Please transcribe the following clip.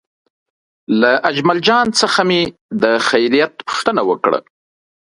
له اجمل جان څخه مې د خیریت پوښتنه وکړه.